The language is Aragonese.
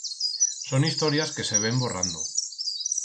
Son historias que se ven borrando.